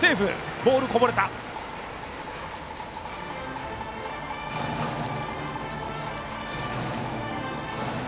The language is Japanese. ボールがこぼれました。